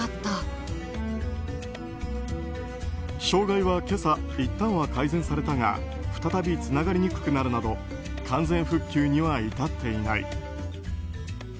障害は今朝いったんは改善されたが再びつながりにくくなるなど完全復旧には至っていない。